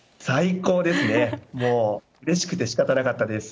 もう、うれしくてしかたなかったです。